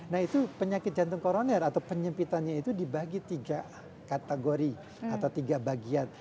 nah itu penyakit jantung koroner atau penyempitannya itu dibagi tiga kategori atau tiga bagian